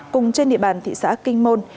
cùng trên địa bàn thị xã kinh môn